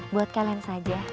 buat kalian saja